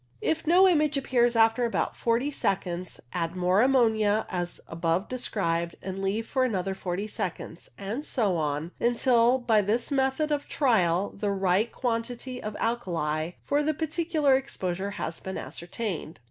If no image appears after about forty seconds, add more ammonia as above described, and leave for another forty seconds, and so on, until by this method of trial the right quantity of alkali for the DEVELOPMENT 177 particular exposure has been ascertained.